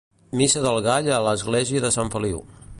Missa del Gall a l'església de Sant Feliu.